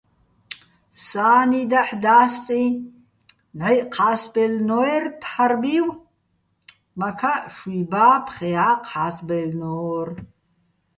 სა́ნი დაჰ̦ და́სტიჼ, ნჵაჲჸი̆ ჴა́სბაჲლნო́ერ თარბივ, მაქაჸ შუ́ჲბა́ჲ, ფხეა́ ჴა́სბაჲლნო́რ.